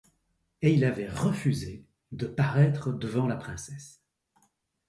Et il avait refusé de paraître devant la princesse.